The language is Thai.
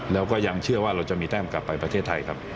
แล้วก็ยังเชื่อว่าเราจะมีแต้มกลับไปประเทศไทยครับ